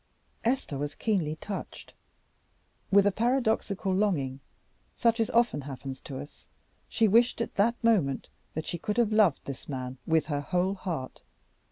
Esther was keenly touched. With a paradoxical longing, such as often happens to us, she wished at that moment that she could have loved this man with her whole heart.